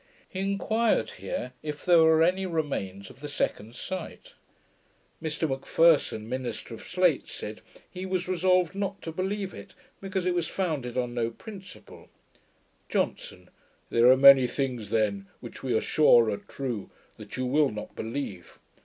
He inquired here, if there were any remains of the second sight. Mr M'Pherson, Minister of Slate, said, he was RESOLVED not to believe it, because it was founded on no principle. JOHNSON. 'There are many things then, which we are sure are true, that you will not believe.